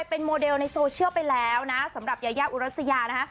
เป็นโมเดลในโซเชียลไปแล้วนะสำหรับยายาอุรัสยานะฮะ